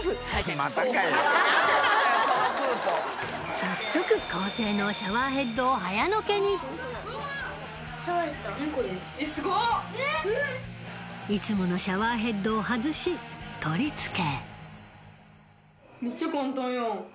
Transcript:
早速高性能シャワーヘッドを早野家にいつものシャワーヘッドを外し取り付け